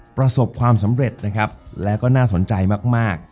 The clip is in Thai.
ประสบความสำเร็จนะครับและก็น่าสนใจมาก